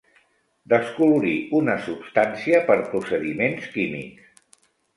Descolorir una substància per procediments químics.